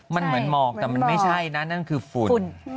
มันเหมือนหมอกแต่มันไม่ใช่นะนั่นคือฝุ่น